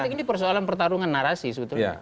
ini persoalan pertarungan narasi sebetulnya